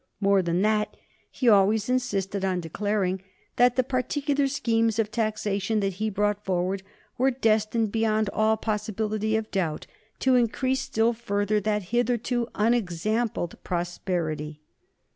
More than that, he always insisted on declaring that the particular schemes of taxation that he brought forward were destined, beyond all possibility of doubt, to increase still further that hitherto unexampled prosperity.